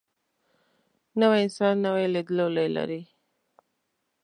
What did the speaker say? نوی انسان نوی لیدلوری لري